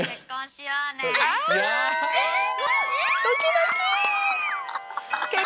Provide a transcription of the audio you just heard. ドキドキ。